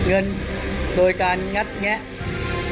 อันดับสุดท้าย